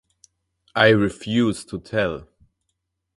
I refused to tell.